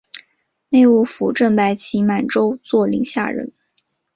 内务府正白旗满洲佐领下人。